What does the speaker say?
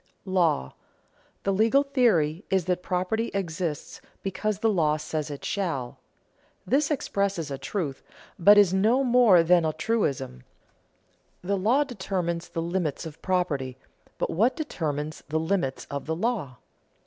[Sidenote: Law] The legal theory is that property exists because the law says it shall. This expresses a truth, but is no more than a truism. The law determines the limits of property, but what determines the limits of the law?